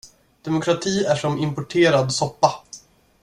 Demokrati är som importerad soppa.